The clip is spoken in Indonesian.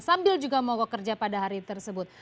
sambil juga mogok kerja pada hari tersebut